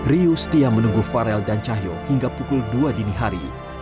riu setia menunggu farel dan cahyo hingga pukul dua dini hari